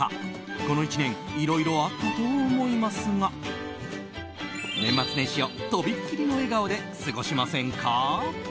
この１年いろいろあったと思いますが年末年始をとびっきりの笑顔で過ごしませんか？